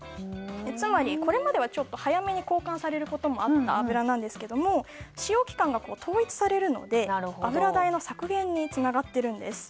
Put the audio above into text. つまり、これまではちょっと早めに交換されることもあった油なんですが使用期間が統一されるので油代の削減につながっているんです。